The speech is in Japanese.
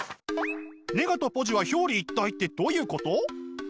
ネガとポジは表裏一体ってどういうこと？